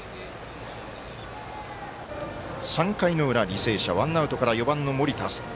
３回の裏、履正社ワンアウトから、４番の森田。